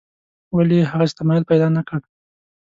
ولې یې هغسې تمایل پیدا نکړ.